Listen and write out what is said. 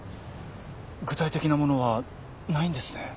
具体的なものはないんですね？